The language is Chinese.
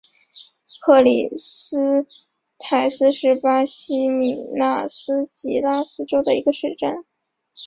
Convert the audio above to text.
克里斯泰斯是巴西米纳斯吉拉斯州的一个市镇。